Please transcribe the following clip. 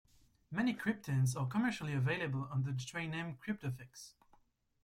Many cryptands are commercially available under the tradename Kryptofix.